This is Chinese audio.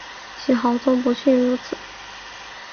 其豪纵不逊如此。